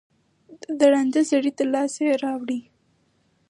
د ړانده سړي تر لاسه یې راوړی